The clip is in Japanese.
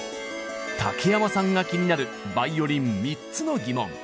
竹山さんが気になるバイオリン３つのギモン。